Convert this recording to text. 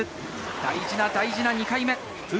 大事な大事な２回目。